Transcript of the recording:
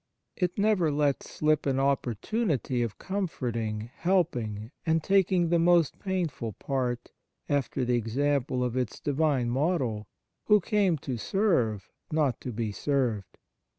It never lets slip an opportunity of comforting, helping, and taking the most painful part, after the ex ample of its Divine Model, Who came to serve, not to be served.